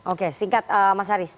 oke singkat mas haris